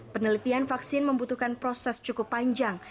penelitian vaksin membutuhkan proses cukup panjang